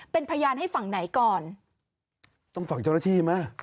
เป็นพยานให้ฝั่งไหนก่อนต้องฝั่งเจ้าหน้าที่ไหม